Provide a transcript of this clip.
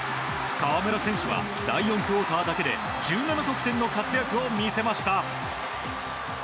河村選手は第４クオーターだけで１７点の活躍を見せました。